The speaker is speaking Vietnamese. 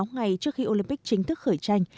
một mươi sáu ngày trước khi olympic chính thức khởi tranh